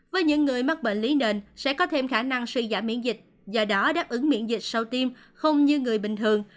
với những người mắc bệnh lý nền sẽ có thêm khả năng suy giảm miễn dịch do đó đáp ứng miễn dịch sau tiêm không như người bình thường